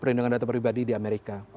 perlindungan data pribadi di amerika